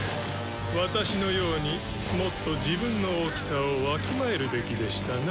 私のようにもっと自分の大きさをわきまえるべきでしたな。